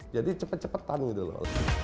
jadi cepet cepetan gitu loh